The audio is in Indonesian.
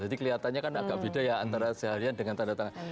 jadi kelihatannya kan agak beda ya antara seharian dengan tanda tangan